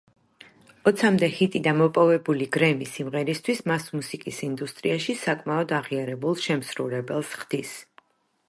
ოცამდე ჰიტი და მოპოვებული გრემი სიმღერისთვის, მას მუსიკის ინდუსტრიაში საკმაოდ აღიარებულ შემსრულებელს ხდის.